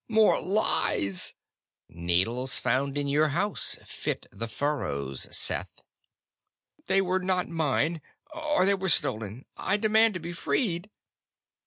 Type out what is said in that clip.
"More lies!" "Needles found in your house fit the furrows, Seth." "They were not mine or they were stolen! I demand to be freed!"